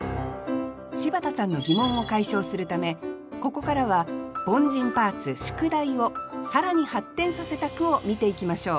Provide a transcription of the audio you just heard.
柴田さんの疑問を解消するためここからは凡人パーツ「宿題」をさらに発展させた句を見ていきましょう